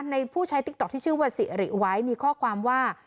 ผู้ใช้ติ๊กต๊อกที่ชื่อว่าสิริไว้มีข้อความว่า